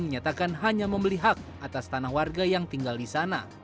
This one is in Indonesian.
menyatakan hanya membeli hak atas tanah warga yang tinggal di sana